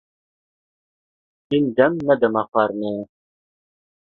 Hîn dem ne dema xwarinê ye.